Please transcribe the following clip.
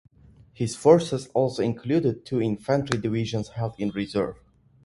His forces also included two infantry divisions held in reserve.